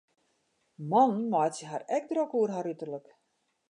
Mannen meitsje har ek drok oer har uterlik.